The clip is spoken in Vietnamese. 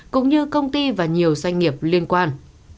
cũng như công ty và nhiều doanh nghiệp liên quan